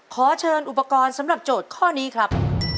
ขอเชิญอุปกรณ์สำหรับโจทย์ข้อนี้ครับ